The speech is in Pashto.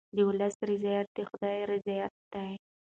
د ولس رضایت د خدای رضایت دی.